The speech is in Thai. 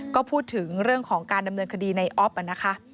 ก็พูดถึงเรื่องของการดำเนินคดีในออฟนะคะ